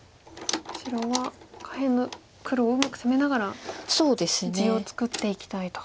白は下辺の黒をうまく攻めながら地を作っていきたいと。